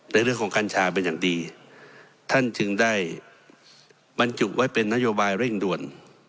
ในเรื่องของกัญชาเป็นอย่างดีท่านจึงได้บรรจุไว้เป็นนโยบายเร่งด่วน